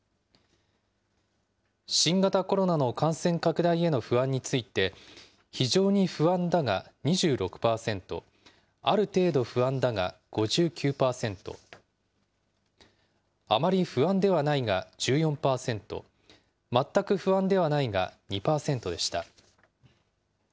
新型コロナの感染拡大への不安について、非常に不安だが２６％、ある程度不安だが５９％、あまり不安ではないが１４％、全く不安ではないが２％でした。